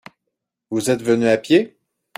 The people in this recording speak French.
Vous êtes venu à pied ?